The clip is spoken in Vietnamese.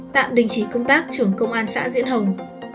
tạm đình chỉ công tác trưởng công an xã diễn hồng